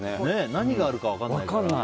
何があるか分からないね。